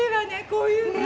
こういうの。